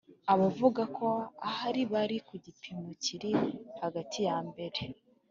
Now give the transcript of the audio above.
Abavuga ko ahari bari ku gipimo kiri hagati ya mbere